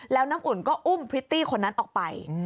แล้วน้ำอุ่นก็อุ้มพริตตี้คนนั้นออกไป